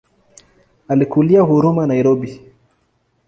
Alikulia Huruma Nairobi.